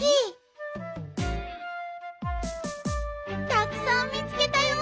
たくさんみつけたよ！